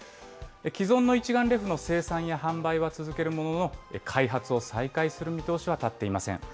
既存の一眼レフの生産や販売は続けるものの、開発を再開する見通しは立っていません。